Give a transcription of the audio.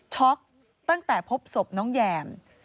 ตั้งแต่พบศพน้องแยม